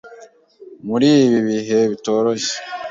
muri ibi bihe bitoroshye.